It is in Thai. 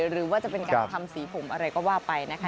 หรือว่าจะเป็นการทำสีผมอะไรก็ว่าไปนะคะ